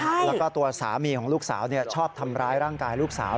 แล้วก็ตัวสามีของลูกสาวชอบทำร้ายร่างกายลูกสาว